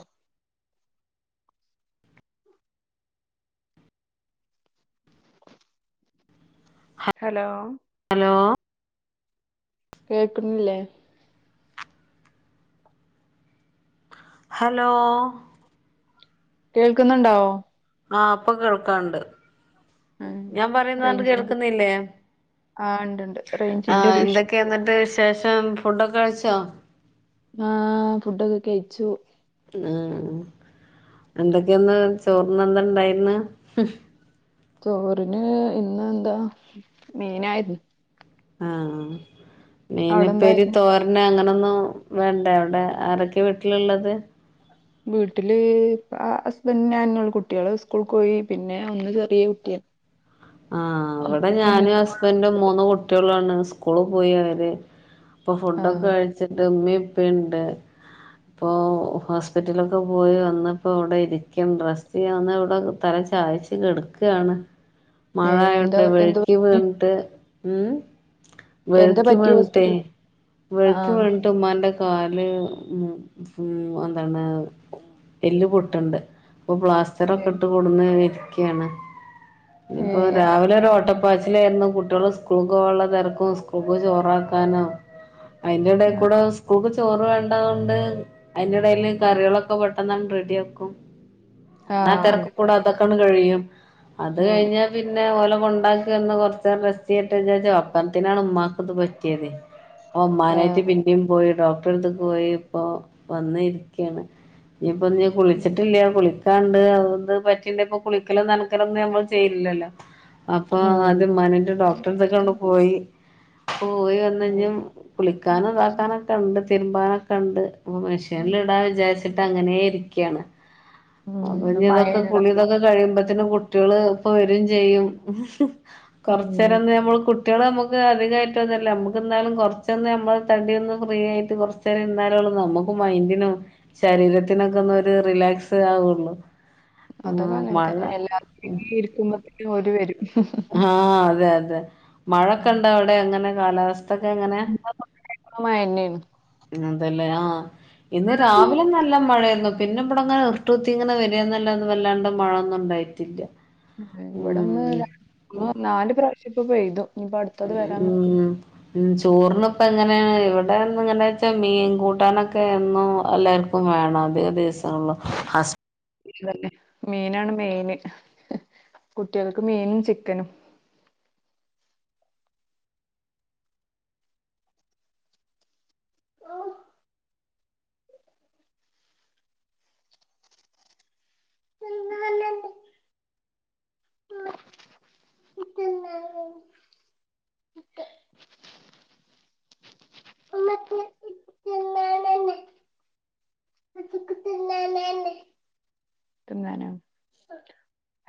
ആഹ hello hello കേൾക്കുന്നില്ലേ hello കേൾക്കുന്നുണ്ടോ ആഹ അപ്പൊ കേൾക്കാണ്ട് ഉം ഞാൻ പറയുന്നണ്ട് റേഞ്ചിന്റെ കേൾക്കുന്നില്ലേ ആഹ് ഉണ്ട്ണ്ട് റേഞ്ചിന്റെ ആഹ ഇഷ്യൂ എന്തൊക്കെയ എന്ന എന്നിട്ട് ശേഷം ഫുഡൊക്കെ കഴിച്ചോ ആഹ് ഫുഡൊക്കെ കഴിച്ചു ആഹ എന്തൊക്കെയ ഒന്ന് ചോറിന്ന എന്ത ഇണ്ടായിന്ന് ചോറിന് ഇന്ന് എന്താ മീയിനായിരുന്നു ആഹ ഇീനിപ്പൊരി എന്തായിരുന്നു തോരണ അങ്ങനെ ന്ന വേണ്ട എവിടെ ആരൊക്കെ വീട്ടിലുള്ളത് വീട്ടില് ഹസ്ബന്ഡ ഞാനള്ള കുട്ടികള് സ്കൂൾ പോയി പിന്നെ ഒന്ന് ചെറിയ കുട്ടിയ ആ ഇവിടെ ഞാനും ഹസ്ബൻഡും മൂന്ന് കുട്ടികളാണ് സ്കൂള് പോയി അവര് ഇപ്പൊ ഫുഡൊക്കെ ആഹ് കഴിച്ചിട്ട് ഉമ്മ ഇപ്പുണ്ട് ഇപ്പൊ ഹോസ്പിറ്റലൊക്കെ പോയി വന്നപ്പോ ഇവിടെ ഇരിക്കും ഡ്രസ്റ്റ് ചെയ്യ വന്ന ഇവിടെ തല ചായച്ച കെടക്കയാണ് ഏഹ് എന്താ മഴായിണ്ട് എന്ത് വെഴുക്കി പറ്റി വീട്ട് ഉ എന്താ വെഴുക്കി പറ്റി വേണിട്ടെ ഹോസ്പിറ്റൽ വെഴുക്കി ആഹ് വേണിട്ട ഉമ്മാന്റെ കാല് ഉ ഉ എന്താണ് എല് പൊട്ടുണ്ട് ഇപ്പൊ പ്ലാസ്റ്റർൊക്കെ ഏഹ് ഇട്ട് കൊടുന്ന ഇരിക്കയാണ് ഇ ഇപ്പോൊ ഏഹ് എന്നാ രാവിലെ ഒരു ഓട്ടപ്പാച്ചിലായിരുന്നു സ്ക്രൂ വെള്ള തിരക്കും സ്ക്രൂ ചോറാക്കാനും അതിന്റെടൽ കൂടെക്ൂ ചോറ് വേണ്ടത കൊണ്ട് അതിനിടേൽ കറികളൊക്കെ പെട്ടെന്ന റെഡി ആക്കും അങ്ങനെ ആ ആഹ് തിരക്ക കൂടെ അങ്ങനെ അതൊക്കെയാണ് കഴിയും അത് ഉം കഴിഞ്ഞ പിന്നെ ഓല ഉണ്ടാക്കന്ന് കുറച്ച നേരം റെസ്റ്റ് ചെയ്ട്ട് ചോ പണത്തിനാണ് ഉമ്മാക്ക് ഇത് പറ്റിയത് അപ്പ ഉമ്മാനായിട്ട് ആഹ് പിന്നേും പോയി ഡോക്ട തട്ടടുത്ത് പോയി ഇപ്പോ വന്ന ഇരിക്കയാണ് ഇപ്പൊ ഉം കുളിച്ചിട്ടില്ല കുളിക്കാണ്ട് അ പറ്റിണ്ട ഇപ്പൊ കുളിക്കല നനക്കല നമ്മ ചെയ്ല്ലോ അപ്പൊ അത് മനന്റെ ഡോക്ടർക്കെ കൊണ്ട് പോയി പോയി വന്ന ഉം കഴഞ്ഞും കുളിക്കാന ഇതാക്കാനൊക്കെ ഉണ്ട് തിരുമ്പാനൊക്കെ ഉണ്ട് ഓ മെഷീനൽ ഇടാൻ വിചാരിച്ചിട്ട് അങ്ങനെ ഇരിക്കുകയാണ് അപ്പ ഉം ഇനി ഇതൊക്കെ കുളി മഴയുള്ളത് ഇതൊക്കെ കഴിയുമ്പത്തന് കുട്ടികള് വരും ചെയ്യും ഉം കൊറച്ച നേരം നമ്മ കുട്ടികൾ നമ്മുക്ക് അധികമായിട്ടോ ഒന്ന നക്ക് ന്നാലും കൊറച്ചന്ന് നമ്മ ള്ള്തടി ഒന്ന് ഫ്രീ ആയിട്ട് കൊറച്ച് നേരംഇരുന്നാലുള്ള നമുക്ക് മൈയ്ന്റിന് ശരീരത്തിനൊക്കെ ഒന്ന് റിലാക്സ് ആവുള്ളൂ അതൊക്കെ അങ്ങനെ മഴ തന്നെ എല്ലാരും ഇരിക്കുമ്പോത്തിന് ഓര് വരും ആഹ അതെ അതെ മഴക്കണ്ട അവിടെ അങ്ങനെ കാലാവസ്ഥൊക്കെ എങ്ങനെ മഴന്നെയാണ് അല്ല ആ ഇന്ന് രാവിലെ നല്ല മഴയായിരുന്നു പിന്നെ ഇവിട അങ്ങനെ ഇർട്ട് കുത്തി ഇങ്ങനെ വരിന്നല്ലാന്ന് വല്ലാണ്ട് മഴയൊന്നും ഉണ്ടായിട്ടില്ല ഇവിടെന്ന് ഉം നാല് പ്രാവശ്യം ഇപ്പ പോയ് തു ഉ ഉ ചോറിന് ഇപ്പ എങ്ങനെയാണ് ഇവിടെ ഇങ്ങനാ വെച്ചാ മീൻ കൂട്ടാനൊക്കെ ഒന്നും എല്ലർക്കും വേണം അതിക്ക ദിവസങ്ങളിലും ഇവരുടെ മീനാണ് മെയിന് കുട്ടികൾക്ക് മീനും ചിക്കനും [unintelligible] [unintelligible] [unintelligible] ഉമ്മച്ചി ഇക്ക് തിന്നാന് ന്ന ന്നന്ന തന്നാനെയ